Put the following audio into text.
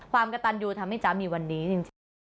ความกระตันยูทำให้จ๊ะมีวันนี้จริง